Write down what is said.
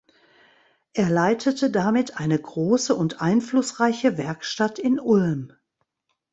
Er leitete damit eine große und einflussreiche Werkstatt in Ulm.